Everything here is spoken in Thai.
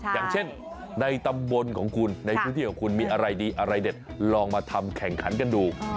อย่างเช่นในตำบลของคุณในพื้นที่ของคุณมีอะไรดีอะไรเด็ดลองมาทำแข่งขันกันดู